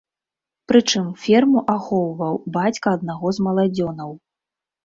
Прычым ферму ахоўваў бацька аднаго з маладзёнаў.